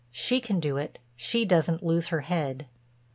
She can do it—she doesn't lose her head."